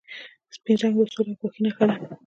سپین رنګ د سولې او پاکۍ نښه ده.